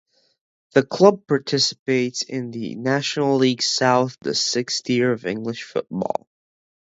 The club participates in the National League South, the sixth tier of English football.